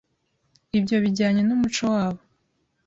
Ibyo Bijyanye n'umuco wabo,